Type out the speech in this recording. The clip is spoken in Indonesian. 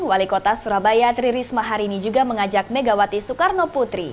wali kota surabaya tri risma hari ini juga mengajak megawati soekarno putri